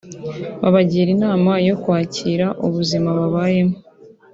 babagira inama yo kwakira ubuzima babayemo